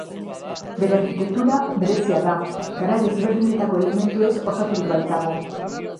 Bere arkitektura berezia da, garai ezberdinetako elementuez osaturik baitago.